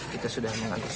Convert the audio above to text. kita sudah mengakses parasi